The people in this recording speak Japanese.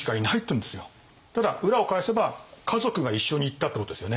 ただ裏を返せば家族が一緒に行ったってことですよね。